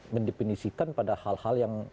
mendefinisikan pada hal hal yang